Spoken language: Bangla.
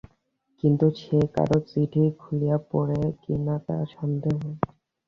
কিন্তু সে কারো চিঠি খুলিয়া পড়ে কি না সন্দেহ।